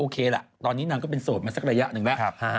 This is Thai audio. โอเคละตอนนี้นางก็เป็นโสดมาสักระยะนึงนะครับ